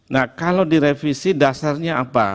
nah kalau direvisi dasarnya apa